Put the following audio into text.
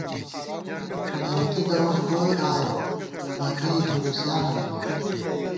تَرَکِی دؤس گوئی آیہ ، بتیَئ ہُرُوسیانہ منوت